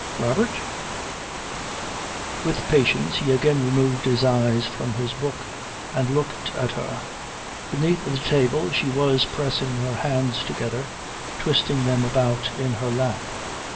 "Robert " With patience he again removed his eyes from his book and looked at her. Beneath the table she was pressing her hands together, twisting them about in her lap.